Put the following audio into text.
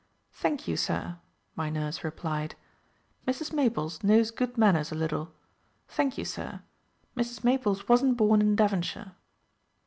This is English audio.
"Thank you, sir," my nurse replied, "Mrs. Maples knows good manners a little. Thank you, sir; Mrs. Maples wasn't born in Devonshire."